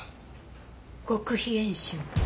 極秘演習？